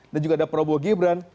dan juga ada peroboh gibran